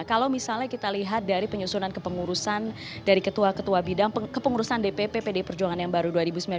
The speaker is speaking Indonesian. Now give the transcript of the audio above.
kalau misalnya kita lihat dari penyusunan kepengurusan dari ketua ketua bidang kepengurusan dpp pdi perjuangan yang baru dua ribu sembilan belas